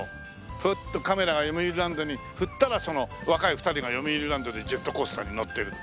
フッとカメラがよみうりランドに振ったらその若い２人がよみうりランドでジェットコースターに乗ってるって。